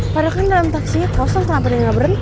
pada kan dalam taksinya kosong kenapa dia gak berhenti